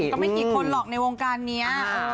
ก็ไม่กี่คนหรอกในวงการนี้